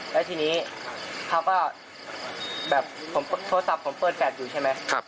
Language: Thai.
แล้วทีนี้เขาก็แบบผมโทรศัพท์ผมเปิดแฟลตอยู่ใช่ไหม